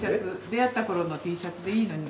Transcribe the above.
出会った頃のＴシャツでいいのに。